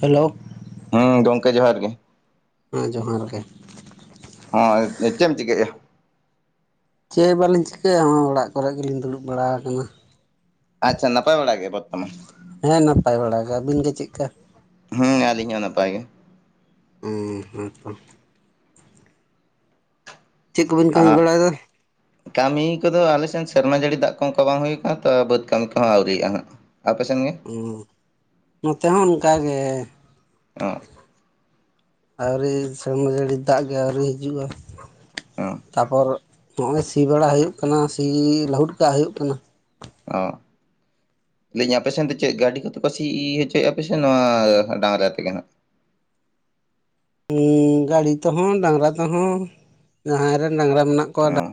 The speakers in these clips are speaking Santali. ᱦᱮᱞᱳ ᱦᱩᱸ ᱜᱚᱝᱠᱮ ᱡᱚᱦᱟᱨ ᱜᱮ᱾ ᱦᱮᱸ ᱡᱚᱸᱦᱟᱨ ᱜᱮ᱾ ᱦᱮᱸ ᱪᱮᱫ ᱮᱢ ᱪᱤᱠᱟᱹᱭ ᱮᱜ ᱟ? ᱪᱮᱫ ᱦᱚᱸ ᱵᱟᱞᱤᱧ ᱪᱤᱠᱟᱹᱭᱟ ᱱᱚᱼᱚᱭ ᱚᱲᱟᱜ ᱠᱚᱨᱮ ᱜᱮᱞᱤᱧ ᱫᱩᱲᱩᱵ ᱵᱟᱲᱟ ᱟᱠᱟᱱᱟ᱾ ᱟᱪᱪᱷᱟ ᱱᱟᱯᱟᱭ ᱵᱟᱲᱟ ᱜᱮ ᱵᱚᱨᱛᱚᱢᱟᱱ ᱦᱮᱸ ᱱᱟᱯᱟᱭ ᱵᱟᱲᱟ ᱜᱮ ᱟᱹᱵᱤᱱ ᱜᱮ ᱪᱮᱫ ᱠᱟ? ᱦᱮᱸ ᱟᱹᱞᱤᱧ ᱦᱚᱸ ᱱᱟᱯᱟᱭ ᱜᱮ᱾ ᱚᱸ ᱦᱮ ᱛᱚ ᱪᱮᱫ ᱠᱚᱵᱮᱱ ᱠᱟᱹᱢᱤ ᱟᱜ ᱵᱟᱲᱟᱭᱮᱫᱟ? ᱠᱟᱹᱢᱤ ᱠᱚᱫᱚ ᱟᱞᱮ ᱥᱮᱱ ᱥᱮᱨᱢᱟ ᱡᱟᱹᱲᱤ ᱫᱟᱜ ᱠᱚ ᱵᱟᱝ ᱦᱩᱭᱩᱜ ᱠᱟᱱᱟ ᱛᱚ ᱵᱟᱹᱫᱽ ᱠᱟᱹᱢᱤ ᱠᱚᱦᱚᱸ ᱟᱹᱣᱨᱨᱤᱼᱟ ᱦᱟᱸᱜ ᱟᱯᱮ ᱥᱮᱱ ᱜᱮ? ᱚᱸ ᱱᱚᱛᱮ ᱦᱚᱸ ᱚᱱᱠᱟ ᱜᱮ ᱟᱸ ᱟᱹᱣᱨᱤ ᱥᱮᱨᱢᱟ ᱡᱟᱹᱲᱤ ᱫᱟᱜ ᱜᱮ ᱟᱹᱣᱨᱤ ᱦᱤᱡᱩᱜᱼᱟ᱾ ᱚ ᱛᱟᱨᱯᱚᱨ ᱱᱚᱜᱼᱚᱭ ᱥᱤ ᱵᱟᱲᱟ ᱦᱩᱭᱩᱜ ᱠᱟᱱᱟ ᱥᱤ ᱞᱟᱹᱦᱩᱫ ᱠᱟᱜ ᱦᱩᱭᱩᱜ ᱠᱟᱱᱟ ᱚᱸ ᱞᱟᱸᱭᱮᱫᱟᱧ ᱟᱯᱮ ᱥᱮᱱ ᱫᱚ ᱪᱮᱫ ᱜᱟᱹᱰᱤ ᱠᱚᱛᱮ ᱯᱮ ᱥᱤ ᱦᱚᱪᱚᱭᱮᱫᱼᱟ ᱥᱮ ᱱᱚᱶᱟ ᱰᱟᱝᱨᱟ ᱛᱮᱜᱮ ᱱᱟᱦᱟᱜ? ᱦᱩᱸ ᱜᱟᱰᱤ ᱛᱮᱦᱚᱸ ᱰᱟᱝᱨᱟ ᱛᱮᱦᱚᱸ ᱡᱟᱦᱟᱸᱭ ᱨᱮᱱ ᱰᱟᱝᱨᱟ ᱢᱮᱱᱟᱜ ᱠᱚᱣᱟ ᱚ ᱰᱟᱝᱨᱟ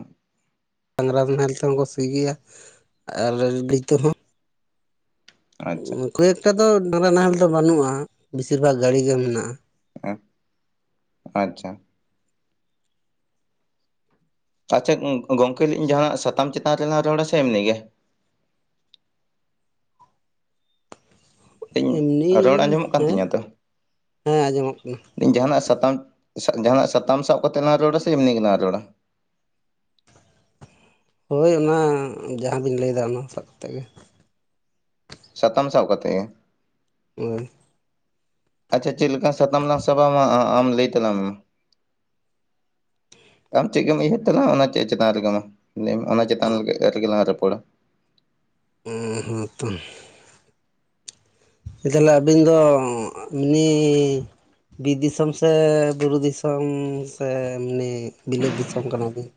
ᱰᱟᱝᱜᱨᱟ ᱱᱟᱦᱮᱞ ᱛᱮᱦᱚᱸ ᱠᱚ ᱥᱤ ᱜᱮᱭᱟ ᱟᱨ ᱜᱟᱰᱤ ᱛᱮ ᱦᱚᱸ᱾ ᱟᱪᱪᱷᱟ ᱠᱷᱩᱵ ᱮᱠᱴᱟ ᱫᱚ ᱰᱟᱝᱨᱟ ᱱᱟᱦᱮᱞ ᱫᱚ ᱵᱟᱹᱱᱩᱜᱼᱟ ᱵᱤᱥᱤᱨ ᱵᱷᱟᱜᱽ ᱜᱟᱰᱤ ᱜᱮ ᱢᱮᱱᱟᱜᱼᱟ ᱳ ᱟᱪᱷᱟ ᱟᱪᱪᱷᱟ ᱜᱚᱝᱠᱮ ᱞᱟᱹᱭ ᱤᱫᱟᱹᱧ ᱡᱟᱦᱟᱸᱱᱟᱜ ᱥᱟᱛᱟᱢ ᱪᱮᱛᱟᱱ ᱨᱮᱞᱟᱝ ᱨᱚᱲᱟ ᱥᱮ ᱮᱢᱱᱤ ᱜᱮ ᱤᱧ ᱨᱚᱲ ᱮᱢᱱᱤ ᱟᱸᱡᱚᱢᱚᱜ ᱠᱟᱱ ᱦᱮᱸ ᱛᱤᱧᱟᱹ ᱛᱚ? ᱦᱮᱸ ᱟᱸᱡᱚᱢᱚᱜ ᱠᱟᱱᱟ ᱡᱟᱦᱟᱱᱟᱜ ᱥᱟᱛᱟᱢ ᱡᱟᱦᱟᱱᱟᱜ ᱥᱟᱛᱟᱢ ᱥᱟᱵ ᱠᱟᱛᱮ ᱞᱟᱝ ᱨᱚᱲᱟ ᱥᱮ ᱮᱢᱱᱤ ᱜᱮᱞᱟᱝ ᱨᱚᱲᱟ ᱦᱳᱭ ᱚᱱᱟ ᱡᱟᱦᱟᱸᱵᱤᱱ ᱞᱟᱹᱭᱮᱫᱟ ᱚᱱᱟ ᱥᱟᱵ ᱠᱟᱛᱮᱫ ᱜᱮ ᱥᱟᱛᱟᱢ ᱥᱟᱵ ᱠᱟᱛᱮ ᱜᱮ ᱦᱳᱭ ᱟᱪᱷᱟ ᱪᱮᱫ ᱞᱮᱠᱟ ᱥᱟᱛᱟᱢ ᱞᱟᱝ ᱥᱟᱵᱟ? ᱟᱢ ᱞᱟᱹᱭ ᱛᱟᱞᱟᱝ ᱢᱮ ᱟᱢ ᱪᱮᱫ ᱜᱮᱢ ᱩᱭᱦᱟᱹᱨ ᱛᱟᱞᱟᱝ ᱚᱱᱟ ᱪᱮᱫ ᱪᱮᱛᱟᱱ ᱨᱮᱜᱮ ᱢᱟ ᱞᱟᱹᱭ ᱢᱮ ᱚᱱᱟ ᱪᱮᱛᱟᱱ ᱨᱮᱜᱮ ᱞᱟᱝ ᱨᱚᱯᱚᱲᱟ ᱚᱸᱻ ᱦᱩᱸ ᱛᱚ ᱛᱟᱦᱞᱮ ᱟᱹᱵᱤᱱ ᱫᱚ ᱮᱢᱱᱤ ᱵᱤᱨ ᱫᱤᱥᱚᱢ ᱥᱮ ᱵᱩᱨᱩ ᱫᱤᱥᱚᱢ ᱥᱮ ᱮᱢᱱᱤ ᱵᱤᱞᱟᱹᱛ ᱫᱤᱥᱚᱢ ᱠᱟᱱᱟᱵᱤᱱ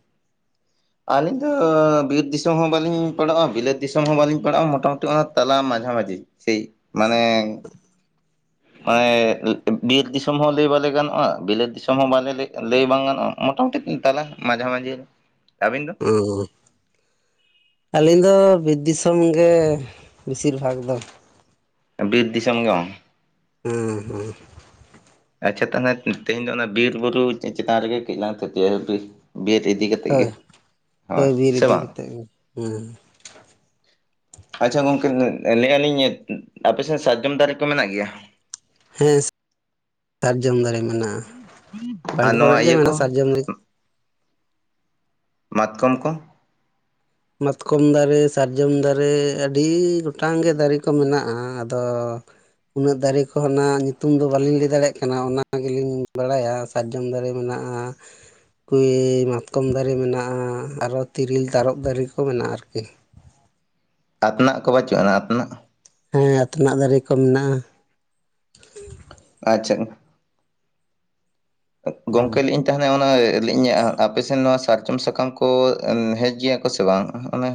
ᱟᱹᱞᱤᱧ ᱫᱚ ᱵᱤᱨ ᱫᱤᱥᱚᱢ ᱦᱚᱸ ᱵᱟᱹᱞᱤᱧ ᱯᱟᱲᱟᱜᱼᱟ ᱵᱤᱞᱟᱹᱛ ᱫᱤᱥᱚᱢ ᱦᱚᱸ ᱵᱟᱹᱞᱤᱧ ᱯᱟᱲᱟᱜᱼᱟ ᱢᱚᱴᱟᱢᱩᱴᱤ ᱚᱱᱟ ᱛᱟᱞᱟ ᱢᱟᱡᱷᱟᱼᱢᱟᱡᱷᱤ ᱥᱮᱭ ᱢᱟᱱᱮ ᱢᱟᱱᱮ ᱵᱤᱨ ᱫᱤᱥᱚᱢ ᱦᱚᱸ ᱞᱟᱹᱭ ᱵᱟᱞᱮ ᱜᱟᱱᱚᱜᱼᱟ ᱵᱤᱞᱟᱹᱛ ᱫᱤᱥᱚᱢ ᱦᱚᱸ ᱵᱟᱞᱮ ᱞᱟᱹᱭ ᱵᱟᱝ ᱜᱟᱱᱚᱜᱼᱟ ᱢᱚᱴᱟ ᱢᱩᱴᱤᱱ ᱛᱟᱞᱟ ᱢᱟᱡᱷᱟ ᱢᱟᱡᱷᱤ ᱟᱹᱵᱤᱱ ᱫᱚ ᱟᱶ ᱟᱹᱞᱤᱧ ᱫᱚ ᱵᱤᱨ ᱫᱤᱥᱚᱢ ᱜᱮ ᱵᱮᱥᱤᱨ ᱵᱷᱟᱜᱽ ᱫᱚ ᱵᱤᱨ ᱫᱤᱥᱚᱢ ᱜᱮ ᱚᱸ ᱦᱮᱸ ᱦᱩᱸ ᱟᱪᱷᱟ ᱛᱟᱦᱚᱞᱮ ᱛᱮᱦᱮᱧ ᱫᱚ ᱚᱱᱟ ᱵᱤᱨ ᱵᱩᱨᱩ ᱪᱮᱛᱟᱱ ᱨᱮᱜᱮ ᱠᱟᱹᱡ ᱞᱟᱝ ᱛᱷᱚᱛᱤᱭᱟ ᱵᱤᱨ ᱤᱫᱤ ᱠᱟᱛᱮᱫ ᱜᱮ ᱦᱳᱭ ᱦᱳᱭ ᱵᱤᱨ ᱥᱮ ᱤᱫᱤ ᱵᱟᱝ ᱠᱟᱛᱮᱫ ᱜᱮ ᱦᱮᱸ ᱟᱪᱷᱟ ᱜᱚᱝᱠᱮ ᱞᱮᱜᱼᱟᱞᱤᱧ ᱟᱯᱮᱥᱮᱱ ᱥᱟᱨᱡᱚᱢ ᱫᱟᱨᱮ ᱠᱚ ᱢᱮᱱᱟᱜ ᱜᱮᱭᱟ ᱦᱮᱸ ᱥᱟᱨᱡᱚᱢ ᱫᱟᱨᱮ ᱢᱮᱱᱟᱜᱼᱟ ᱟᱨ ᱵᱟᱨᱜᱮ ᱠᱚᱨᱮᱫ ᱱᱚᱣᱟ ᱜᱮ ᱤᱭᱟᱹ ᱢᱮᱱᱟᱜᱼᱟ ᱠᱚ ᱥᱟᱨᱡᱚᱢ ᱫᱟᱨᱮ ᱢᱟᱛᱠᱚᱢ ᱠᱚ ᱢᱟᱛᱠᱚᱢ ᱫᱟᱨᱮ ᱥᱟᱨᱡᱚᱢ ᱫᱟᱨᱮ ᱟᱹᱰᱤ ᱜᱚᱴᱟᱝ ᱜᱮ ᱫᱟᱨᱮ ᱠᱚ ᱢᱮᱱᱟᱜᱼᱟ ᱟᱫᱚ ᱩᱱᱟᱹᱜ ᱫᱟᱨᱮ ᱠᱚᱨᱮᱱᱟᱜ ᱧᱩᱛᱩᱢ ᱫᱚ ᱵᱟᱹᱞᱤᱧ ᱞᱟᱹᱭ ᱫᱟᱲᱮᱭᱟᱜ ᱠᱟᱱᱟ, ᱚᱱᱟ ᱜᱮᱞᱤᱧ ᱵᱟᱲᱟᱭᱟ᱾ ᱥᱟᱨᱡᱚᱢ ᱫᱟᱨᱮ ᱢᱮᱱᱟᱜᱼᱟ ᱦᱳᱭ ᱢᱟᱛᱠᱚᱢ ᱫᱟᱨᱮ ᱢᱮᱱᱟᱜᱼᱟ ᱟᱨ ᱛᱤᱨᱤᱞ ᱛᱟᱨᱚᱯ ᱫᱟᱨᱮ ᱠᱚ ᱢᱮᱱᱟᱜᱼᱟ ᱟᱨᱠᱤ ᱟᱛᱱᱟᱜ ᱠᱚ ᱵᱟᱹᱪᱩᱜᱼᱟ ᱟᱛᱱᱟᱜ? ᱦᱮᱸ ᱟᱛᱱᱟᱜ ᱫᱟᱨᱮ ᱠᱚ ᱢᱮᱱᱟᱜᱼᱟ ᱟᱪᱪᱷᱟ ᱜᱚᱝᱠᱮ ᱦᱩᱸ ᱞᱟᱹᱭ ᱤᱧ ᱛᱟᱦᱞᱮ ᱚᱱᱟ ᱞᱟᱹᱭ ᱤᱧᱟᱹᱜ ᱟᱯᱮᱥᱮᱱ ᱱᱚᱣᱟ ᱥᱟᱨᱡᱚᱢ ᱥᱟᱠᱟᱢ ᱠᱚ ᱦᱮᱡ ᱜᱮᱭᱟ ᱠᱚ ᱥᱮ ᱵᱟᱝ ᱚᱱᱮ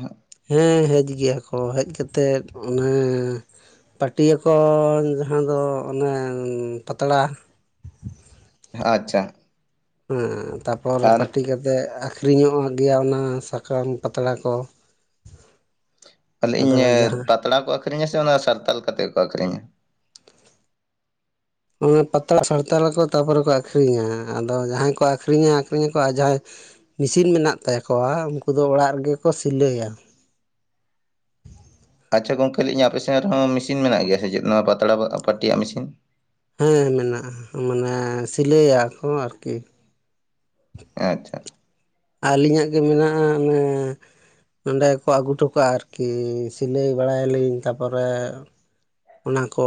ᱦᱮᱸ ᱦᱮᱡ ᱜᱮᱭᱟ ᱠᱚ ᱦᱮᱡ ᱠᱟᱛᱮᱫ ᱚᱱᱟ ᱯᱟᱹᱴᱤᱭᱟᱹ ᱠᱚ ᱡᱟᱦᱟᱸ ᱫᱚ ᱚᱱᱮ ᱯᱟᱛᱲᱟ᱾ ᱟᱪᱷᱟ ᱦᱮᱸ ᱛᱟᱯᱚᱨ ᱯᱟᱴᱤ ᱠᱟᱛᱮ ᱟᱹᱠᱷᱨᱤᱧᱚᱜ ᱜᱮᱭᱟ ᱚᱱᱟ ᱥᱟᱠᱟᱢ ᱯᱟᱛᱲᱟ ᱠᱚ ᱛᱟᱞᱮ ᱤᱧ ᱟᱫᱚ ᱡᱟᱦᱟᱸ ᱯᱟᱛᱲᱟ ᱠᱚ ᱟᱹᱠᱷᱨᱤᱧᱟ ᱥᱮ ᱚᱱᱟ ᱥᱟᱨᱛᱟᱞ ᱠᱟᱛᱮᱜ ᱠᱚ ᱟᱹᱠᱷᱨᱤᱧᱟ? ᱚᱱᱟ ᱯᱟᱛᱲᱟ ᱥᱟᱨᱛᱟᱞ ᱟᱠᱚ ᱛᱟᱨ ᱯᱚᱨᱮ ᱠᱚ ᱟᱠᱷᱨᱤᱧᱟ, ᱟᱫᱚ ᱡᱟᱦᱟᱸᱭ ᱠᱚ ᱟᱠᱷᱨᱤᱧᱟ ᱟᱠᱷᱨᱤᱧᱟᱠᱚ ᱟᱨ ᱡᱟᱦᱟᱸᱭ, ᱢᱤᱥᱤᱱ ᱢᱮᱱᱟᱜ ᱛᱟᱠᱩᱣᱟ ᱩᱱᱠᱩ ᱫᱚ ᱚᱲᱟᱜ ᱨᱮᱜᱮ ᱠᱚ ᱥᱤᱞᱟᱹᱭᱟ ᱟᱪᱷᱟ ᱜᱚᱝᱠᱮ ᱞᱟᱹᱭᱤᱧ ᱟᱯᱮ ᱥᱮᱱ ᱨᱮᱦᱚᱸ ᱢᱤᱥᱤᱱ ᱢᱮᱱᱟᱜ ᱜᱮᱭᱟ ᱥᱮ ᱪᱮᱫ ᱱᱚᱣᱟ ᱯᱟᱛᱲᱟ ᱵᱚ ᱯᱟᱹᱴᱤᱭᱟᱜ ᱢᱤᱥᱤᱱ? ᱦᱮᱸ ᱢᱮᱱᱟᱜ-ᱟ ᱢᱟᱱᱮ ᱥᱤᱞᱟᱹᱭᱟ ᱠᱚ ᱟᱨᱠᱤ ᱟᱪᱪᱷᱟ ᱟᱞᱤᱧᱟᱜ ᱜᱮ ᱢᱮᱱᱟᱜ-ᱟ ᱚᱱᱮ ᱱᱚᱸᱰᱮ ᱠᱚ ᱟᱜᱩ ᱚᱴᱚ ᱠᱟᱜ-ᱟ ᱟᱨᱠᱤ ᱥᱤᱞᱟᱹᱭ ᱵᱟᱲᱟᱭᱟᱞᱤᱧ ᱛᱟᱯᱚᱨᱮ ᱚᱱᱟ ᱠᱚ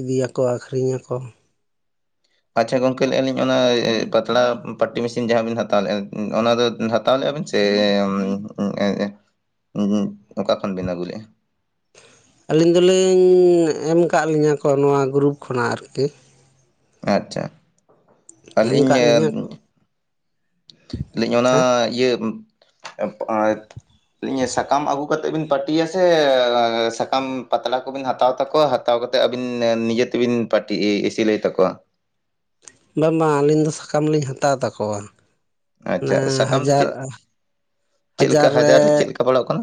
ᱤᱫᱤᱭᱟᱠᱚ ᱟᱹᱠᱷᱨᱤᱧᱟᱠᱚ᱾ ᱟᱪᱪᱷᱟ ᱜᱚᱝᱠᱮ ᱞᱟᱹᱭᱮᱜ-ᱟ ᱞᱤᱧ ᱚᱱᱟ ᱯᱟᱛᱲᱟ ᱯᱟᱹᱴᱤ ᱢᱤᱥᱤᱱ ᱡᱟᱦᱟᱸ ᱵᱤᱱ ᱦᱟᱛᱟᱣ ᱞᱮᱜ-ᱟ ᱚᱱᱟ ᱫᱚ ᱦᱟᱸᱜ ᱦᱟᱛᱟᱣ ᱞᱮᱜ-ᱟ ‌ᱵᱤᱱ ᱥᱮ ᱮ ᱩᱸ ᱮ ᱩᱢ ᱚᱠᱟ ᱠᱷᱚᱱ ᱵᱤᱱ ᱟᱹᱜᱩ ᱞᱮᱜ-ᱟ? ᱟᱹᱞᱤᱧ ᱫᱩᱞᱤᱧ ᱮᱢ ᱟᱠᱟᱫ ᱞᱤᱧᱟᱸ ᱠᱚ ᱱᱚᱣᱟ ᱜᱩᱨᱩᱯ ᱠᱷᱚᱱᱟᱜ ᱟᱨᱠᱤ ᱟᱪᱷᱟ ᱮᱢ ᱟᱹᱞᱤᱧ ᱠᱟᱜ ᱞᱤᱧᱟᱹ ᱠᱚ ᱟᱹᱞᱤᱧ ᱚᱱᱟ ᱦᱮᱸ ᱤᱭᱟᱹ [inaudible] ᱞᱤᱧᱟᱹ ᱥᱟᱠᱟᱢ ᱟᱹᱜᱩ ᱠᱟᱛᱮ ᱵᱤᱱ ᱯᱟᱹᱴᱤᱭᱟ ᱥᱮ ᱥᱟᱠᱟᱢ ᱯᱟᱛᱲᱟ ᱠᱩᱵᱤᱱ ᱦᱟᱛᱟᱣ ᱛᱟᱠᱚᱣᱟ ᱦᱟᱛ ᱦᱟᱛᱟᱣ ᱠᱟᱛᱮ ᱟᱵᱤᱱ ᱱᱤᱡᱮ ᱛᱮᱵᱤᱱ ᱯᱟᱹᱴᱤ ᱥᱤᱞᱟᱹᱭ ᱛᱟᱹᱠᱩᱣᱟ᱾ ᱵᱟᱝ ᱵᱟᱝ ᱟᱹᱞᱤᱧ ᱫᱚ ᱥᱟᱠᱟᱢ ᱞᱤᱧ ᱦᱟᱛᱟᱣ ᱛᱟᱠᱩᱣᱟ᱾ ᱚᱱᱟ ᱟᱪᱪᱷᱟ ᱥᱟᱠᱟᱢ ᱫᱚ ᱦᱟᱡᱟᱨ ᱪᱮᱫ ᱟᱨ ᱦᱟᱡᱟᱨ ᱨᱮ ᱚᱲᱟᱜ ᱠᱷᱚᱱ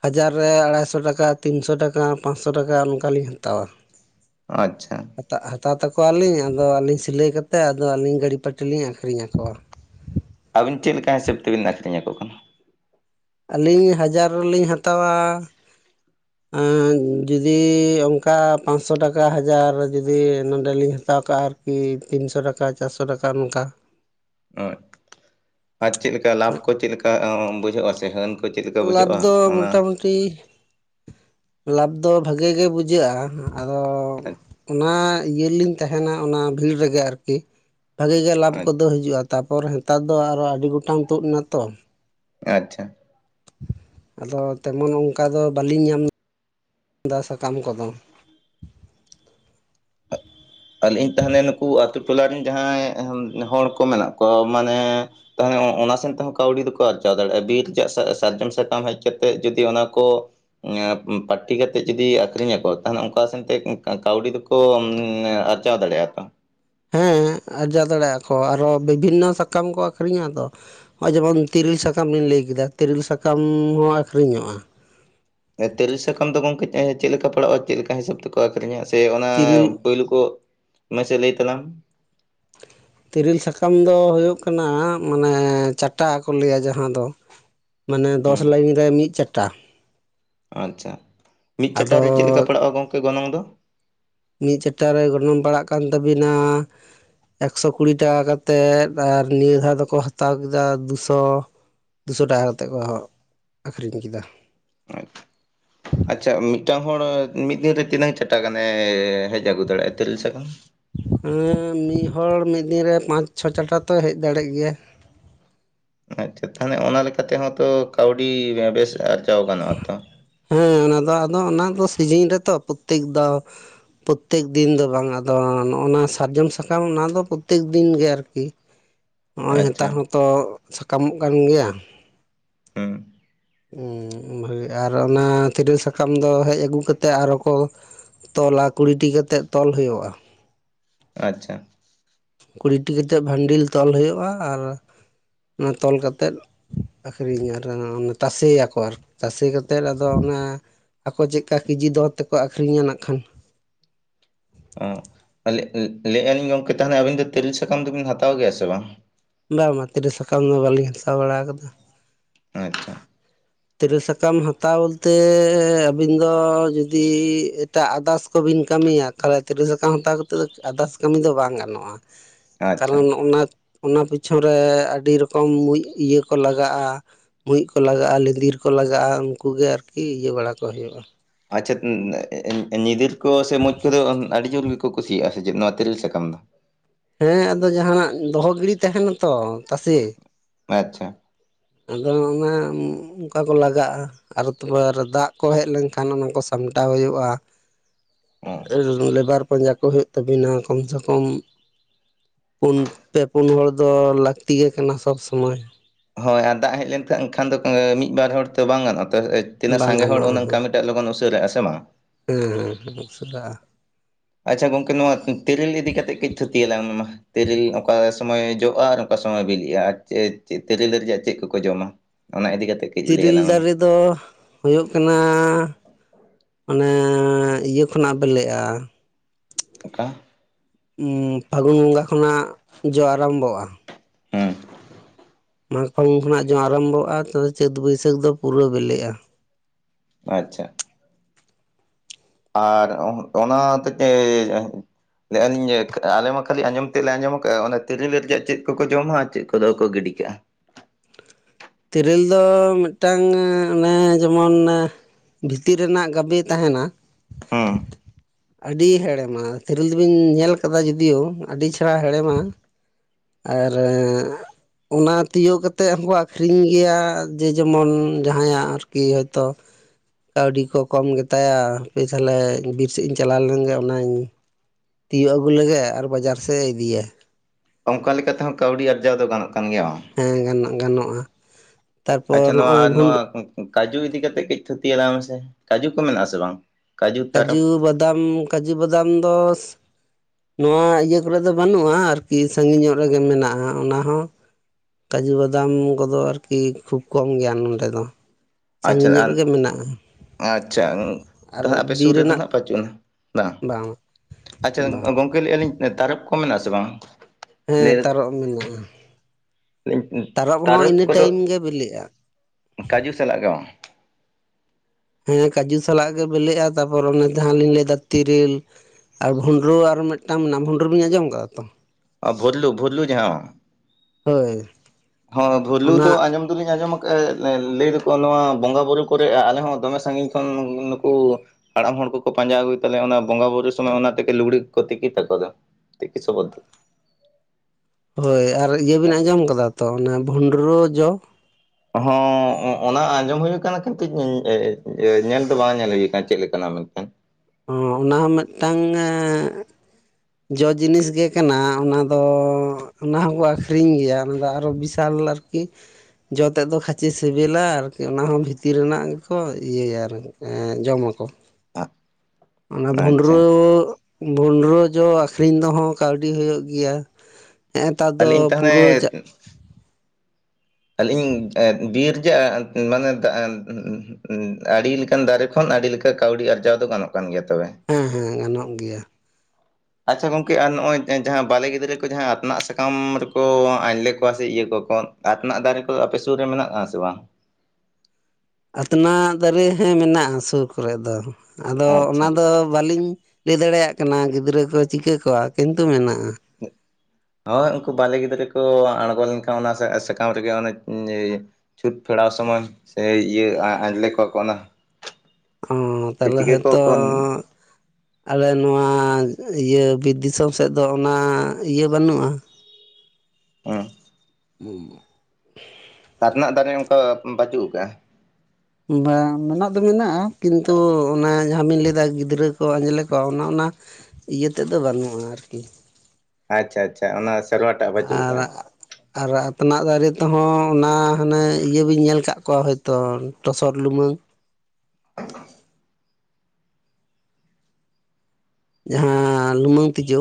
ᱵᱟᱡᱟᱨ ᱨᱮ ᱟᱲᱟᱭᱥᱚ ᱴᱟᱠᱟ ᱛᱤᱱᱥᱚ ᱴᱟᱠᱟ ᱯᱟᱸᱥᱥᱚ ᱴᱟᱠᱟ ᱚᱱᱠᱟ ᱞᱤᱧ ᱦᱟᱛᱟᱣᱟ᱾ ᱟᱪᱷᱟ᱾ ᱦᱟᱛᱟ ᱦᱟᱛᱟᱣ ᱛᱟᱠᱩᱣᱟᱞᱤᱧ ᱟᱫᱚ ᱟᱹᱞᱤᱧ ᱥᱤᱞᱟᱹᱭ ᱠᱟᱛᱮᱜ ᱟᱫᱚ ᱟᱹᱞᱤᱧ ᱜᱟᱹᱲᱤ ᱯᱟᱹᱴᱤ ᱞᱤᱧ ᱟᱹᱠᱷᱨᱤᱧ ᱟᱠᱩᱣᱟ ᱟᱹᱵᱤᱱ ᱪᱮᱫ ᱞᱮᱠᱟ ᱦᱤᱥᱟᱹᱵ ᱛᱮᱵᱤᱱ ᱟᱹᱠᱷᱨᱤᱧ ᱟᱠᱚ ᱠᱟᱱᱟ? ᱟᱹᱞᱤᱧ ᱦᱟᱡᱟᱨ ᱨᱮᱞᱤᱧ ᱦᱟᱛᱟᱣᱟ᱾ ᱮᱸ ᱡᱩᱫᱤ ᱚᱝᱠᱟ ᱯᱟᱱᱥᱚ ᱴᱟᱠᱟ ᱦᱟᱡᱟᱨ ᱨᱮ ᱡᱩᱫᱤ ᱱᱚᱸᱰᱮᱞᱤᱧ ᱦᱟᱛᱟᱣ ᱠᱟᱜ-ᱟ ᱟᱨ ᱠᱤ ᱛᱤᱱᱥᱚ ᱴᱟᱠᱟ ᱪᱟᱨᱥᱚ ᱴᱟᱠᱟ ᱱᱚᱝᱠᱟ ᱚᱡ ᱟᱡ ᱪᱮᱫ ᱞᱮᱠᱟ ᱞᱟᱵᱷ ᱠᱚ ᱪᱮᱫ ᱞᱮᱠᱟ ᱵᱩᱡᱷᱟᱹᱜ ᱟ ᱥᱮ ᱦᱟᱹᱱ ᱠᱚ ᱪᱮᱫ ᱞᱮᱠᱟ ᱵᱩᱡᱷᱩᱜ-ᱟ ᱚᱱᱟ ᱴᱷᱤᱠ ᱞᱟᱵᱷ ᱫᱚ ᱵᱷᱟᱜᱮ ᱜᱮ ᱵᱩᱡᱷᱟᱹᱜ-ᱟ ᱦᱟᱸᱜ ᱟᱫᱚ ᱚᱱᱟ ᱤᱭᱟᱹᱞᱤᱧ ᱛᱟᱦᱮᱱᱟ ᱚᱱᱟ ᱵᱷᱤᱲ ᱨᱮᱜᱤ ᱟᱨᱠᱤ ᱵᱷᱟᱜᱮ ᱜᱮ ᱞᱟᱵᱷ ᱠᱚᱫᱚ ᱦᱤᱡᱩᱜ-ᱟ ᱛᱟᱯᱚᱨ ᱱᱮᱛᱟᱨ ᱫᱚ ᱟᱨᱚ ᱟᱹᱰᱤ ᱜᱚᱴᱟᱝ ᱛᱩᱫ ᱮᱱᱟ ᱛᱚ ᱟᱪᱪᱷᱟ ᱟᱫᱚ ᱛᱮᱢᱚᱱ ᱚᱱᱠᱟ ᱫᱚ ᱵᱟᱞᱤᱧ ᱧᱟᱢ ᱫᱟ ᱥᱟᱠᱟᱢ ᱠᱚᱫᱚ᱾ ᱟᱹᱞᱤᱧ ᱛᱟᱦᱚᱞᱮ ᱱᱩᱠᱩ ᱟᱛᱩ ᱴᱚᱞᱟᱨᱮᱱ ᱡᱟᱦᱟᱸᱭ ᱦᱚᱲ ᱠᱚ ᱢᱮᱱᱟᱜ ᱠᱚᱣᱟ ᱢᱟᱱᱮ ᱛᱟᱦᱚᱞᱮ ᱚᱱᱟ ᱥᱮᱱ ᱛᱮᱦᱚᱸ ᱠᱟᱹᱣᱰᱤ ᱫᱚᱠᱚ ᱟᱨᱡᱟᱣ ᱫᱟᱲᱮᱭᱟᱜ-ᱟ ᱵᱤᱨ ᱨᱮᱭᱟᱜ ᱥᱟ ᱥᱟᱨᱡᱚᱢ ᱥᱟᱠᱟᱢ ᱦᱮᱡ ᱠᱟᱛᱮᱜ ᱡᱩᱫᱤ ᱚᱱᱟ ᱠᱚ ᱯᱟᱹᱴᱤ ᱠᱟᱛᱮᱜ ᱡᱩᱫᱤ ᱟᱹᱠᱷᱨᱤᱧᱟᱠᱚ ᱛᱟᱦᱞᱮ ᱚᱱᱠᱟ ᱥᱟᱶᱛᱮ ᱠᱟᱹᱣᱰᱤ ᱫᱚ ᱠᱩ ᱩᱢ ᱟᱨᱡᱟᱣ ᱫᱟᱲᱮᱭᱟᱜ ᱠᱚ ᱦᱮᱸ ᱟᱨᱡᱟᱣ ᱫᱟᱲᱮᱭᱟᱜ-ᱟ ᱠᱚ ᱟᱨᱚ ᱵᱤᱵᱷᱤᱱᱱᱚ ᱥᱟᱠᱟᱢ ᱠᱚ ᱟᱹᱠᱷᱨᱤᱧᱟ ᱛᱚ ᱱᱚᱜ-ᱚᱭ ᱡᱮᱢᱚᱱ ᱛᱤᱨᱤᱞ ᱥᱟᱠᱟᱢ ᱵᱤᱱ ᱞᱟᱹᱭ ᱠᱮᱫᱟ ᱛᱤᱨᱤᱞ ᱥᱟᱠᱟᱢ ᱦᱚᱸ ᱟᱹᱠᱷᱨᱤᱧᱚᱜ-ᱟ, ᱞ᱾ ᱛᱤᱨᱤᱞ ᱥᱟᱠᱟᱢ ᱫᱚ ᱜᱚᱝᱠᱮ ᱪᱮᱫ ᱞᱮᱠᱟ ᱯᱟᱲᱟᱜ-ᱟ ᱪᱮᱫ ᱞᱮᱠᱟ ᱦᱤᱥᱟᱹᱵ ᱛᱮᱠᱚ ᱟᱹᱠᱷᱨᱤᱧᱟ ᱥᱮ ᱚᱱᱟ ᱛᱤᱨᱤᱞ ᱯᱩᱭᱞᱩ ᱠᱩ ᱢᱮᱥᱮ ᱞᱟᱹᱭ ᱛᱟᱞᱟᱝ ᱢᱮ ᱛᱤᱨᱤᱞ ᱥᱟᱠᱟᱢ ᱫᱚ ᱦᱩᱭᱩᱜ ᱠᱟᱱᱟ ᱢᱟᱱᱮ ᱪᱟᱴᱟ ᱦᱚᱠᱚ ᱞᱟᱹᱭᱟ ᱡᱟᱦᱟᱸ ᱫᱚ᱾ ᱢᱟᱱᱮ ᱦᱮᱸ ᱫᱚᱥ ᱞᱟᱭᱤᱱ ᱨᱮ ᱢᱤᱫ ᱪᱟᱴᱟ ᱟᱪᱪᱷᱟ ᱢᱤᱫ ᱟᱫᱚ ᱪᱟᱴᱟᱨᱮ ᱪᱮᱫ ᱞᱮᱠᱟ ᱯᱟᱲᱟᱜ-ᱟ ᱜᱚᱝᱠᱮ ᱜᱚᱱᱚᱝ ᱫᱚ? ᱢᱤᱫ ᱪᱟᱴᱟ ᱨᱮ ᱜᱚᱱᱚᱝ ᱯᱟᱲᱟᱜ ᱠᱟᱱ ᱛᱟᱹᱵᱤᱱᱟ ᱮᱠᱥᱚ ᱠᱩᱲᱤ ᱴᱟᱠᱟ ᱠᱟᱛᱮᱜ ᱟᱨ ᱱᱤᱭᱟᱹ ᱫᱷᱟᱣ ᱫᱚᱠᱚ ᱦᱟᱛᱟᱣ ᱠᱮᱫᱟ ᱫᱩᱥᱚ᱾ ᱫᱩᱥᱚ ᱴᱟᱠᱟ ᱠᱟᱛᱮᱜ ᱠᱚ ᱦᱚ ᱟᱹᱠᱷᱨᱤᱧ ᱠᱮᱫᱟ᱾ ᱟᱡ ᱟᱪᱪᱷᱟ ᱢᱤᱫᱴᱟᱝ ᱦᱚᱲ ᱢᱤᱫ ᱫᱤᱱ ᱨᱮ ᱛᱤᱱᱟᱹᱜ ᱪᱟᱴᱟ ᱜᱟᱱᱮ ᱦᱮᱡ ᱟᱹᱜᱩ ᱫᱟᱲᱮᱭᱟᱜᱼᱟ ᱛᱤᱨᱤᱞ ᱥᱟᱠᱟᱢ ᱦᱮᱸ ᱢᱤᱫ ᱦᱚᱲ ᱢᱤᱫ ᱫᱤᱱ ᱨᱮ ᱯᱟᱸᱪ ᱪᱷᱚ ᱪᱟᱴᱟ ᱛᱚ ᱦᱮᱡ ᱫᱟᱲᱭᱟᱜ ᱜᱮᱭᱟ᱾ ᱟᱪᱪᱷᱟ ᱛᱟᱦᱚᱞᱮ ᱚᱱᱟ ᱛᱮᱦᱚᱸ ᱛᱚ ᱠᱟᱹᱣᱰᱤ ᱵᱮᱥ ᱟᱨᱡᱟᱣ ᱜᱟᱱᱚᱜᱼᱟ ᱛᱚ ᱦᱮᱸ ᱚᱱᱟ ᱫᱚ ᱟᱫᱚ ᱚᱱᱟ ᱫᱚ ᱥᱤᱡᱤᱱ ᱨᱮᱛᱚ ᱯᱨᱚᱛᱮᱠ ᱫᱟᱶ ᱯᱨᱚᱛᱮᱠ ᱫᱤᱱ ᱫᱚ ᱵᱟᱝ ᱟᱫᱚ ᱱᱚᱜᱼᱱᱟ ᱥᱟᱨᱡᱚᱢ ᱥᱟᱠᱟᱢ ᱚᱱᱟ ᱫᱚ ᱯᱨᱚᱛᱮᱠ ᱫᱤᱱ ᱜᱮ ᱟᱨᱠᱤ᱾ ᱦᱚᱸᱜᱼᱚᱭ ᱟᱪᱪᱷᱟ ᱱᱮᱛᱟᱨ ᱦᱚᱸᱛᱚ ᱥᱟᱠᱟᱢᱚᱜ ᱠᱟᱱ ᱜᱮᱭᱟ᱾ ᱦᱮᱸ ᱵᱷᱟᱹᱜᱤ ᱟᱨ ᱚᱱᱟ ᱛᱤᱨᱤᱞ ᱥᱟᱠᱟᱢ ᱫᱚ ᱦᱮᱡ ᱟᱹᱜᱩ ᱠᱟᱛᱮ ᱟᱨᱚ ᱠᱚ ᱛᱚᱞᱟ ᱠᱩᱲᱤ ᱴᱤ ᱠᱟᱛᱮᱫ ᱛᱚᱞ ᱦᱳᱭᱳᱜᱼᱟ ᱟᱪᱪᱷᱟ ᱠᱩᱲᱤ ᱴᱤ ᱠᱟᱛᱮᱫ ᱵᱷᱟᱱᱰᱤᱞ ᱛᱚᱞ ᱦᱳᱭᱳᱜᱼᱟ ᱟᱨ ᱚᱱᱟ ᱛᱚᱞ ᱠᱟᱛᱮᱫ ᱟᱹᱠᱷᱨᱤᱧ ᱟᱨ ᱛᱟᱥᱮᱭᱟ ᱠᱚ ᱟᱨᱠᱤ ᱛᱟᱥᱮ ᱠᱟᱛᱮᱫ ᱟᱫᱚ ᱚᱱᱮ ᱟᱠᱚ ᱪᱮᱠᱟ ᱠᱟ ᱠᱮᱡᱤ ᱫᱚᱨ ᱛᱮᱠᱚ ᱟᱠᱷᱨᱤᱧᱟ ᱱᱟᱜ ᱠᱷᱟᱱ ᱚ ᱞᱟᱹᱭᱮᱫᱼᱟ ᱞᱤᱧ ᱜᱚᱢᱠᱮ ᱛᱟᱦᱚᱞᱮ ᱟᱹᱵᱤᱱ ᱫᱚ ᱛᱮᱨᱮᱞ ᱥᱟᱠᱟᱢ ᱫᱚᱵᱤᱱ ᱦᱟᱛᱟᱣ ᱜᱮᱭᱟ ᱥᱮ ᱵᱟᱝ ᱵᱟᱝ ᱢᱟ ᱛᱤᱨᱤᱞ ᱥᱟᱠᱟᱢ ᱫᱚ ᱵᱟᱹᱞᱤᱧ ᱦᱟᱛᱟᱣ ᱵᱟᱲᱟ ᱟᱠᱟᱫᱟ ᱟᱪᱪᱷᱟ ᱛᱤᱨᱤᱞ ᱥᱟᱠᱟᱢ ᱦᱟᱛᱟᱣ ᱛᱮ ᱟᱹᱵᱤᱱ ᱫᱚ ᱡᱩᱫᱤ ᱟᱫᱟᱥ ᱠᱚᱵᱤᱱ ᱠᱟᱹᱢᱤᱭᱟ ᱛᱟᱦᱚᱞᱮ ᱛᱤᱨᱤᱞ ᱥᱟᱠᱟᱢ ᱦᱟᱛᱟᱣ ᱠᱟᱛᱮᱫ ᱫᱚ ᱟᱫᱟᱥ ᱠᱟᱹᱢᱤ ᱫᱚ ᱵᱟᱝ ᱜᱟᱱᱚᱜᱼᱟ ᱟᱪᱪᱷᱟ ᱠᱟᱨᱚᱱ ᱚᱱᱟ ᱚᱱᱟ ᱯᱤᱪᱷᱚᱱ ᱨᱮ ᱟᱹᱰᱤ ᱨᱚᱠᱚᱢ ᱢᱩᱡ ᱤᱭᱟᱹ ᱠᱚ ᱞᱟᱜᱟᱜᱼᱟ ᱢᱩᱡ ᱠᱚ ᱞᱟᱜᱟᱜᱼᱟ ᱞᱤᱫᱤᱨ ᱠᱚ ᱞᱟᱜᱟᱜᱼᱟ ᱩᱱᱠᱩᱜ ᱜᱮ ᱟᱨᱠᱤ ᱤᱭᱟᱹ ᱵᱟᱲᱟ ᱠᱚ ᱦᱩᱭᱩᱜᱼᱟ ᱟᱪᱪᱷᱟ ᱧᱤᱫᱤᱨ ᱠᱚ ᱥᱮ ᱢᱚᱡᱽ ᱠᱚᱫᱚ ᱟᱹᱰᱤ ᱡᱳᱨ ᱜᱮ ᱠᱚ ᱠᱩᱥᱤᱭᱟᱜᱼᱟ ᱥᱮ ᱪᱮᱫ ᱱᱚᱣᱟ ᱛᱮᱨᱮᱞ ᱥᱟᱠᱟᱢ ᱫᱚ ᱦᱮᱸ ᱟᱫᱚ ᱡᱟᱦᱟᱱᱟᱜ ᱫᱚᱦᱚ ᱜᱤᱲᱤ ᱛᱟᱦᱮᱱᱟ ᱛᱚ ᱛᱟᱥᱮ ᱟᱪᱪᱷᱟ ᱟᱫᱚ ᱚᱱᱟ ᱚᱱᱠᱟ ᱠᱚ ᱞᱟᱜᱟᱜᱼᱟ᱾ ᱟᱨ ᱛᱟᱨ ᱫᱟᱜ ᱠᱚ ᱦᱮᱡ ᱞᱮᱱᱠᱷᱟᱱ ᱚᱱᱟ ᱠᱚ ᱥᱟᱢᱴᱟᱣ ᱦᱩᱭᱩᱜᱼᱟ᱾ ᱚ ᱞᱮᱵᱟᱨ ᱯᱟᱸᱡᱟ ᱠᱚ ᱦᱩᱭᱩᱜ ᱛᱟᱹᱵᱤᱱᱟ ᱠᱚᱢ ᱥᱮ ᱠᱚᱢ ᱯᱩᱱ ᱯᱮ ᱯᱩᱱ ᱦᱚᱲ ᱫᱚ ᱞᱟᱹᱠᱛᱤ ᱜᱮ ᱠᱟᱱᱟ ᱥᱚᱵᱽ ᱥᱚᱢᱚᱭ᱾ ᱦᱳᱭ ᱟᱨ ᱫᱟᱜ ᱦᱮᱡ ᱞᱮᱱᱟᱱ ᱠᱷᱟᱱ ᱫᱚ ᱢᱤᱫ ᱵᱟᱨ ᱦᱚᱲ ᱛᱚ ᱵᱟᱝ ᱜᱟᱱᱚᱜᱼᱟ ᱛᱤᱱᱟᱹᱜ ᱵᱟᱝ ᱥᱟᱸᱜᱮ ᱦᱚᱲ ᱜᱟᱱᱚᱜᱼᱟ ᱩᱱᱟᱹᱝ ᱠᱟᱹᱢᱤ ᱞᱚᱜᱚᱱ ᱩᱥᱟᱹᱨᱟ ᱥᱮᱢᱟ ᱦᱩᱸᱩᱸᱥᱟᱨᱟ ᱟᱪᱪᱷᱟ ᱜᱚᱝᱠᱮ ᱱᱚᱣᱟ ᱛᱮᱨᱮᱞ ᱤᱫᱤ ᱠᱟᱛᱮᱫ ᱠᱟᱹᱡ ᱛᱷᱩᱛᱤᱭᱟᱞᱟᱝ ᱢᱟ ᱛᱮᱨᱤᱞ ᱚᱠᱟ ᱥᱚᱢᱚᱭ ᱡᱚᱜᱼᱟ ᱟᱨ ᱚᱠᱟ ᱥᱚᱢᱚᱭ ᱵᱤᱞᱤᱜᱼᱟ ᱟᱨ ᱛᱮᱨᱤᱞ ᱨᱮᱭᱟᱜ ᱪᱮᱫ ᱠᱚᱠᱚ ᱡᱚᱢᱟ ᱚᱱᱟ ᱤᱫᱤ ᱠᱟᱛᱮᱫ ᱜᱮ ᱛᱤᱨᱤᱞ ᱫᱟᱨᱮ ᱫᱚ ᱦᱳᱭᱳᱜ ᱠᱟᱱᱟ ᱢᱟᱱᱮ ᱤᱭᱟᱹ ᱠᱷᱚᱱᱟᱜ ᱵᱮᱞᱮᱜᱼᱟ ᱚᱱᱠᱟ ᱯᱷᱟᱹᱜᱩᱱ ᱵᱚᱸᱜᱟ ᱠᱷᱚᱱᱟᱜ ᱡᱚ ᱟᱨᱟᱢ ᱵᱚᱜᱼᱟ᱾ ᱦᱮᱸ ᱢᱟᱜᱽ ᱯᱷᱟᱹᱜᱩᱱ ᱠᱷᱚᱱᱟᱜ ᱡᱚ ᱟᱨᱟᱢ ᱵᱚᱜᱼᱟ ᱛᱚ ᱪᱟᱹᱛ ᱵᱟᱹᱭᱥᱟᱹᱠᱷ ᱫᱚ ᱯᱩᱨᱟᱹ ᱵᱮᱞᱮᱜᱼᱟ᱾ ᱟᱪᱪᱷᱟ ᱟᱨ ᱚᱱᱟ [inaudible] ᱛᱮ ᱞᱟᱹᱭ ᱟᱹᱞᱤᱧ ᱡᱮ ᱟᱞᱮ ᱢᱟ ᱠᱷᱟᱹᱞᱤ ᱟᱸᱡᱚᱢ ᱛᱮᱫᱞᱮ ᱟᱸᱡᱚᱢ ᱠᱟᱜᱼᱟ᱾ ᱚᱱᱟ ᱛᱮᱨᱮᱞ ᱨᱮᱭᱟᱜ ᱪᱮᱫ ᱠᱚᱠᱚ ᱡᱚᱢᱟ ᱪᱮᱫ ᱠᱚᱫᱚ ᱠᱚ ᱜᱤᱰᱤ ᱠᱟᱜᱼᱟ? ᱛᱤᱨᱮᱞ ᱫᱚ ᱢᱤᱫᱴᱟᱝ ᱚᱱᱮ ᱡᱮᱢᱚᱱᱮ ᱵᱷᱤᱛᱤᱨ ᱨᱮᱱᱟᱜ ᱜᱟᱵᱮ ᱛᱟᱦᱮᱱᱟ ᱦᱩᱸ ᱟᱹᱰᱤ ᱦᱮᱲᱮᱢᱟ ᱛᱤᱨᱤᱞ ᱫᱚᱵᱤᱱ ᱧᱮᱞ ᱟᱠᱟᱫᱟ ᱡᱩᱫᱤᱭᱳ ᱟᱹᱰᱤ ᱪᱮᱦᱲᱟ ᱦᱮᱬᱮᱢᱟ ᱟᱨ ᱚᱱᱟ ᱛᱤᱭᱳᱜ ᱠᱟᱛᱮᱫ ᱦᱚᱸᱠᱚ ᱟᱠᱷᱨᱤᱧ ᱜᱮᱭᱟ ᱡᱮ ᱡᱮᱢᱚᱱ ᱡᱟᱦᱟᱸᱭᱟᱜ ᱟᱨᱠᱤ ᱦᱚᱭᱛᱳ ᱠᱟᱹᱣᱰᱤ ᱠᱚ ᱠᱚᱢ ᱜᱮᱛᱟᱭᱟ ᱛᱟᱦᱚᱞᱮ ᱵᱤᱨ ᱥᱮᱫ ᱤᱧ ᱪᱟᱞᱟᱣ ᱞᱮᱱ ᱜᱮ ᱚᱱᱟᱧ ᱛᱤᱭᱳᱜ ᱟᱹᱜᱩ ᱞᱮᱜᱮ ᱟᱨ ᱵᱟᱡᱟᱨ ᱥᱮᱫ ᱮ ᱤᱫᱤᱭᱟ ᱚᱱᱠᱟ ᱞᱮᱠᱟ ᱛᱮᱦᱚᱸ ᱠᱟᱹᱣᱰᱤ ᱟᱨᱡᱟᱣ ᱫᱚ ᱜᱟᱱᱚᱜ ᱠᱟᱱ ᱜᱮᱭᱟ ᱦᱮᱸ ᱜᱟᱱᱚᱜ ᱜᱟᱱᱚᱜᱼᱟ ᱛᱟᱨᱯᱚᱨ ᱱᱚᱜᱼᱚᱭ ᱵᱷᱩᱸᱰ ᱠᱟᱹᱡᱩ ᱤᱫᱤ ᱠᱟᱛᱮᱜ ᱠᱟᱹᱡ ᱛᱷᱩᱛᱤ ᱭᱟᱞᱟᱝ ᱢᱮᱥᱮ ᱠᱟᱡᱩ ᱠᱚ ᱢᱮᱱᱟᱜ ᱟᱥᱮ ᱵᱟᱝ? ᱠᱟᱡᱩ ᱛᱟᱨᱚᱵ ᱠᱟᱹᱡᱩ ᱵᱟᱫᱟᱢ ᱠᱟᱹᱡᱩ ᱵᱟᱫᱟᱢ ᱫᱚᱥ ᱱᱚᱣᱟ ᱤᱭᱟᱹ ᱠᱚᱨᱮ ᱫᱚ ᱵᱟᱹᱱᱩᱜᱼᱟ ᱟᱨᱠᱤ ᱥᱟᱺᱜᱤᱧ ᱧᱚᱜ ᱨᱮᱜᱮ ᱢᱮᱱᱟᱜᱼᱟ ᱚᱱᱟ ᱦᱚᱸ᱾ ᱠᱟᱡᱩ ᱵᱟᱫᱟᱢ ᱠᱚᱫᱚ ᱟᱨᱠᱤ ᱠᱷᱩᱵ ᱠᱚᱢ ᱜᱮᱭᱟ ᱱᱚᱰᱮ ᱫᱚ᱾ ᱟᱪᱪᱷᱟ ᱥᱟᱺᱜᱤᱧ ᱧᱚᱜ ᱨᱮᱜᱮ ᱢᱮᱱᱟᱜᱼᱟ ᱟᱪᱪᱷᱟᱦ ᱟᱨ ᱟᱯᱮ ᱥᱩᱨ ᱵᱤᱨ ᱨᱮᱫᱚ ᱨᱮᱱᱟᱜ ᱦᱟᱸᱜ ᱯᱟᱹᱪᱩᱜ ᱟᱱᱟ ᱵᱟᱝ ᱟᱪᱪᱷᱟ ᱵᱟᱝ ᱜᱚᱝᱠᱮ ᱞᱟᱹᱭ ᱟᱹᱞᱤᱧ ᱛᱟᱨᱚᱵ ᱠᱚ ᱢᱮᱱᱟᱜ-ᱟ ᱥᱮ ᱵᱟᱝ? ᱦᱮᱸ ᱞᱟᱹᱭ ᱛᱟᱨᱚᱵ ᱢᱮᱱᱟᱜᱼᱟ ᱫᱟᱞᱤᱧ ᱛᱟᱨᱚᱵ ᱠᱚᱦᱚᱸ ᱤᱱᱟᱹ ᱠᱚᱫᱚ ᱴᱟᱭᱤᱢ ᱜᱮ ᱵᱮᱞᱮᱜᱼᱟ ᱠᱟᱡᱩ ᱥᱟᱞᱟᱜ ᱜᱮᱣ ᱦᱮᱸ ᱠᱟᱡᱩ ᱥᱟᱞᱟᱜ ᱜᱮ ᱵᱤᱞᱤᱜᱼᱟ᱾ ᱛᱟᱨᱯᱚᱨ ᱚᱱᱮ ᱡᱟᱦᱟᱸ ᱞᱤᱧ ᱞᱟᱹᱭᱫᱟ ᱛᱮᱨᱮᱞ ᱟᱨ ᱵᱷᱩᱸᱰᱨᱩ ᱟᱨ ᱢᱤᱫᱴᱟᱝ ᱢᱮᱱᱟᱜ-ᱟ ᱵᱷᱩᱸᱰᱨᱩ ᱵᱤᱱ ᱟᱸᱡᱚᱢ ᱠᱟᱜ-ᱟ ᱛᱚ᱾ ᱚ ᱵᱷᱩᱫᱽᱞᱩ ᱵᱷᱩᱫᱽᱞᱩ ᱡᱟᱦᱟᱸ ᱦᱳᱭ ᱦᱚᱸ ᱵᱷᱩᱨᱞᱩ ᱫᱚ ᱚᱱᱟ ᱟᱸᱡᱚᱢ ᱫᱚᱞᱤᱧ ᱟᱸᱡᱚᱢ ᱞᱟᱹᱭ ᱫᱟᱠᱚ ᱱᱚᱣᱟ ᱵᱚᱸᱜᱟ ᱵᱩᱨᱩ ᱠᱚᱨᱮ ᱟᱞᱮ ᱦᱚᱸ ᱫᱚᱢᱮ ᱥᱟᱺᱜᱤᱧ ᱠᱷᱚᱱ ᱱᱩᱠᱩ ᱦᱟᱲᱟᱢ ᱦᱚᱲ ᱠᱚᱠᱚ ᱯᱟᱸᱡᱟ ᱟᱹᱜᱩᱭ ᱛᱟᱞᱮᱭᱟ᱾ ᱚᱱᱟ ᱵᱚᱸᱜᱟ ᱵᱩᱨᱩ ᱥᱚᱢᱚᱭ ᱚᱱᱟ ᱛᱮᱜᱮ ᱞᱩᱜᱽᱲᱤ ᱠᱚ ᱛᱤᱠᱤ ᱛᱟᱠᱚ ᱫᱚ᱾ ᱛᱮᱠᱤ ᱥᱚᱵᱚᱫᱷ ᱦᱳᱭ ᱟᱨ ᱤᱭᱟᱹ ᱵᱤᱱ ᱟᱸᱡᱚᱢ ᱠᱟᱫᱟ ᱛᱚ ᱚᱱᱟ ᱵᱷᱩᱸᱱᱰᱨᱚ ᱡᱚ᱾ ᱦᱚᱸ ᱚᱱᱟ ᱟᱸᱡᱚᱢ ᱦᱩᱭ ᱠᱟᱱᱟ ᱠᱤᱱᱛᱩ ᱧᱮᱞ ᱫᱚ ᱵᱟᱝ ᱧᱮᱞ ᱦᱩᱭ ᱠᱟᱱᱟ ᱪᱮᱫᱞᱮ ᱞᱮᱠᱟᱱᱟ ᱢᱮᱱᱛᱮ ᱦᱚᱸ ᱚᱱᱟ ᱦᱚᱸ ᱢᱤᱫ ᱴᱟᱝ ᱡᱚ ᱡᱤᱱᱤᱥ ᱜᱮ ᱠᱟᱱᱟ ᱚᱱᱟ ᱫᱚ ᱚᱱᱟ ᱦᱚᱸᱠᱚ ᱟᱹᱠᱷᱨᱤᱧ ᱜᱮᱭᱟ ᱚᱱᱟ ᱫᱚ ᱟᱨᱚ ᱵᱤᱥᱟᱞ ᱟᱨ ᱠᱤ ᱡᱚ ᱛᱮᱫ ᱫᱚ ᱠᱷᱟᱪᱮ ᱥᱮᱵᱮᱞᱟ ᱟᱨᱠᱤ ᱚᱱᱟ ᱦᱚᱸ ᱵᱷᱤᱛᱤᱨ ᱨᱮᱱᱟᱜ ᱜᱮᱠᱚ ᱤᱭᱟᱹᱭᱟ ᱟᱨ ᱮᱸ ᱡᱚᱢᱟ ᱠᱚ [unintelligible] ᱚᱱᱟ ᱵᱷᱩᱸᱰᱨᱩ ᱟᱪᱪᱷᱟ ᱵᱷᱩᱸᱰᱨᱩ ᱡᱚ ᱟᱠᱷᱨᱤᱧ ᱫᱚᱦᱚᱸ ᱠᱟᱹᱣᱰᱤ ᱦᱩᱭᱩᱜ ᱜᱮᱭᱟ ᱦᱮᱸᱜ-ᱮ ᱛᱟᱨ ᱫᱚ ᱟᱹᱞᱤᱧ ᱛᱟᱦᱚᱞᱮ ᱯᱩᱨᱟᱹ ᱟᱹᱞᱤᱧ ᱤᱸ ᱵᱤᱨ ᱡᱟ ᱮᱸ ᱢᱟᱱᱮ ᱫᱟ ᱮᱸ ᱟᱹᱰᱤ ᱞᱮᱠᱟᱱ ᱫᱟᱨᱮ ᱠᱷᱚᱱ ᱟᱹᱰᱤ ᱞᱮᱠᱟ ᱠᱟᱹᱣᱰᱤ ᱟᱨᱡᱟᱣ ᱫᱚ ᱜᱟᱱᱚᱜ ᱠᱟᱱ ᱜᱮᱭᱟ ᱛᱚᱵᱮ ᱦᱮᱸ ᱦᱮᱸ ᱜᱟᱱᱚᱜ ᱜᱮᱭᱟ ᱟᱪᱪᱷᱟ ᱜᱚᱝᱠᱮ ᱟᱨ ᱱᱚᱜᱼᱚᱭ ᱡᱟᱦᱟᱸ ᱵᱟᱞᱮ ᱜᱤᱫᱽᱨᱟᱹ ᱠᱚ ᱡᱟᱦᱟᱸ ᱟᱛᱱᱟᱜ ᱥᱟᱠᱟᱢ ᱨᱮᱠᱚ ᱟᱸᱧᱡᱞᱮ ᱠᱚᱣᱟ ᱥᱮ ᱤᱭᱟᱹ ᱠᱚᱣᱟ ᱠᱚ ᱟᱛᱱᱟᱜ ᱫᱟᱨᱮ ᱠᱚᱫᱚ ᱟᱯᱮ ᱥᱩᱨ ᱨᱮ ᱢᱮᱱᱟᱜᱼᱟ ᱥᱮ ᱵᱟᱝ? ᱟᱛᱱᱟᱜ ᱫᱟᱨᱮ ᱦᱮᱸ ᱢᱮᱱᱟᱜᱼᱟ ᱥᱩᱨ ᱠᱚᱨᱮ ᱫᱚ᱾ ᱟᱫᱚ ᱟᱪᱪᱷᱟ ᱚᱱᱟᱫᱚ ᱵᱟᱹᱞᱤᱧ ᱞᱟᱹᱭ ᱫᱟᱲᱮᱭᱟᱜ ᱠᱟᱱᱟ ᱜᱤᱫᱽᱨᱟᱹ ᱠᱚ ᱪᱤᱠᱟᱹ ᱠᱚᱣᱟ ᱠᱤᱱᱛᱩ ᱢᱮᱱᱟᱜᱼᱟ᱾ [inaudible] ᱦᱳᱭ ᱩᱱᱠᱩ ᱵᱟᱞᱮ ᱜᱤᱫᱽᱨᱟᱹ ᱠᱚ ᱟᱬᱜᱚ ᱞᱮᱱᱠᱷᱟᱱ ᱚᱱᱟ ᱥᱟᱠᱟᱢ ᱨᱮᱜᱮ ᱚᱱᱮ ᱪᱷᱩᱛ ᱯᱷᱮᱲᱟᱣ ᱥᱚᱢᱚᱭ ᱥᱮ ᱤᱭᱟᱹ ᱟᱸᱧᱡᱞᱮ ᱠᱚᱣᱟᱠᱚ ᱚᱱᱟ ᱚᱸ ᱥᱮ ᱛᱟᱦᱞᱮ ᱪᱤᱠᱟᱹ ᱠᱚᱣᱟ ᱦᱟᱭᱛᱚ ᱠᱚ ᱟᱞᱮ ᱱᱚᱣᱟ ᱤᱭᱟᱹ ᱵᱤᱨ ᱫᱤᱥᱚᱢ ᱥᱮᱫ ᱫᱚ ᱚᱱᱟ ᱤᱭᱟᱹ ᱵᱟᱹᱱᱩᱜᱼᱟ᱾ [unintelligible] [unintelligible] ᱟᱛᱱᱟᱜ ᱫᱟᱨᱮ ᱚᱱᱠᱟ ᱵᱟᱹᱪᱩᱜ ᱟᱠᱟᱜᱼᱟ᱾ ᱵᱟᱝ, ᱢᱮᱱᱟᱜ ᱫᱚ ᱢᱮᱱᱟᱜᱼᱟ, ᱠᱤᱱᱛᱩ ᱚᱱᱟ ᱡᱟᱦᱟᱸ ᱵᱤᱱ ᱞᱟᱹᱭᱫᱟ ᱜᱤᱫᱽᱨᱟᱹ ᱠᱚ ᱟᱸᱧᱡᱞᱮ ᱠᱚᱣᱟ ᱚᱱᱟ ᱚᱱᱟ ᱤᱭᱟᱹ ᱛᱮᱫ ᱫᱚ ᱵᱟᱹᱱᱩᱜᱼᱟ ᱟᱨᱠᱤ ᱟᱪᱪᱷᱟ ᱟᱪᱪᱷᱟ ᱚᱱᱟ ᱥᱮᱨᱣᱟ ᱴᱟᱜ ᱵᱟᱹᱪᱩᱜ ᱟᱨ ᱠᱟᱜ-ᱟ᱾ ᱟᱨ ᱟᱛᱱᱟᱜ ᱫᱟᱨᱮ ᱛᱮᱦᱚᱸ ᱚᱱᱟ ᱦᱟᱱᱮ ᱤᱭᱟᱹ ᱵᱤᱱ ᱧᱮᱞ ᱠᱟᱜ ᱠᱚᱣᱟ ᱦᱳᱭᱛᱳ ᱴᱚᱥᱚᱨ ᱞᱩᱢᱟᱹᱝ ᱡᱟᱦᱟᱸ ᱞᱩᱢᱟᱹᱝ ᱛᱤᱡᱩ